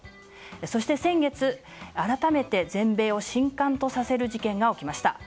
そして先月、改めて全米を震撼とさせる事件が起きました。